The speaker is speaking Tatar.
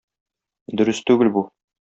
Дөрес түгел бу.